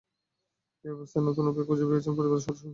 এই অবস্থায় নতুন উপায় খুঁজে পেয়েছেন পরিবারের ছোট সন্তান।